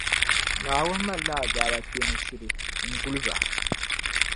Naawuni malila azaaba kpeeni shili n-guli ba.